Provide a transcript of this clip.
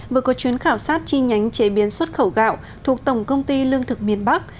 vừa có chuyến khảo sát chi nhánh chế biến xuất khẩu gạo thuộc tổng công ty lương thực miền bắc